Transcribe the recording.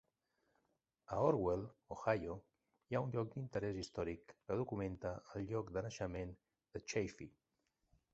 A Orwell, Ohio, hi ha un lloc d'interès històric que documenta el lloc de naixement de Chaffee.